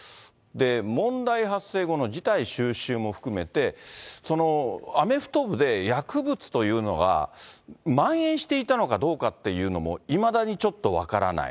問題発生後の事態収拾も含めて、アメフト部で薬物というのがまん延していたのかどうかっていうのも、いまだにちょっと分からない。